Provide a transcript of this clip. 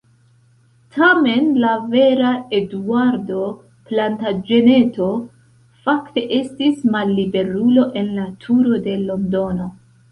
Tamen la vera Eduardo Plantaĝeneto fakte estis malliberulo en la Turo de Londono.